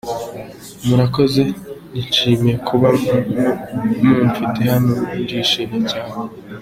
Murakoze! Nishimiye kuba mumfite hano, ndishimye cyane.